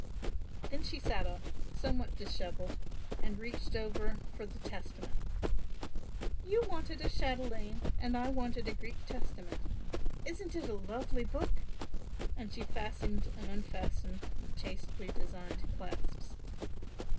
Then she sat up somewhat dishevelled and reached over for the Testament. "You wanted a chatelaine and I wanted a Greek Testament. Isn't it a lovely book?" and she fastened and unfastened the chastely designed clasps.